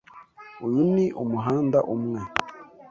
Uyu ni umuhanda umwe.